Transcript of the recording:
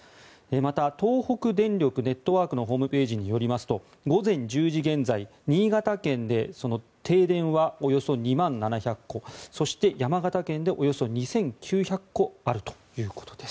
また東北電力ネットワークのホームページによると午前１０時現在、新潟県で停電はおよそ２万７００戸そして山形県でおよそ２９００戸あるということです。